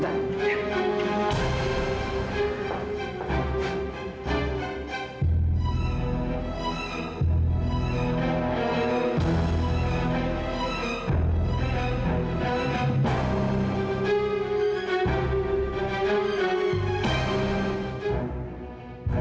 sarang cumaipp ya